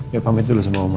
yuk pamit dulu sama oma